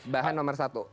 bahan nomor satu